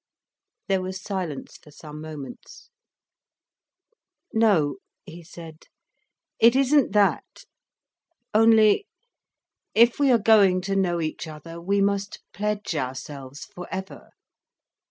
There was silence for some moments. "No," he said. "It isn't that. Only—if we are going to know each other, we must pledge ourselves for ever.